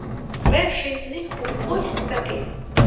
Перший з них був ось такий.